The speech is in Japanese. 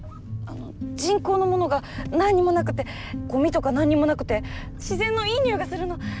人工のものが何にもなくてごみとか何にもなくて自然のいい匂いがするの！